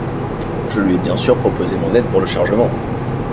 Je lui ai bien sûr proposé mon aide pour le chargement.